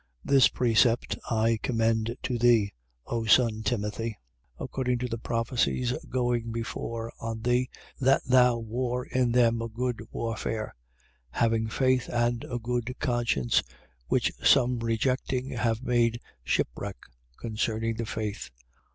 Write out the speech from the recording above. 1:18. This precept, I commend to thee, O son Timothy: according to the prophecies going before on thee, that thou war in them a good warfare, 1:19. Having faith and a good conscience, which some rejecting have made shipwreck concerning the faith.